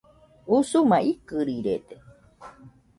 Usuma ikɨrirede